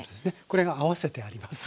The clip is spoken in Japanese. これが合わせてあります。